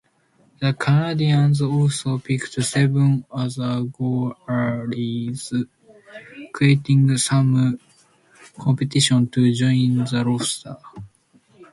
The Canadiens also picked seven other goalies creating some competition to join the roster.